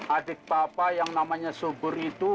adik papa yang namanya subur itu